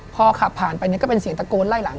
พอขับผ่านไปเนี่ยก็เป็นเสียงตะโกนไล่หลัง